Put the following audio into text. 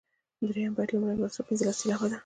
د دریم بیت لومړۍ مصرع پنځلس سېلابه ده.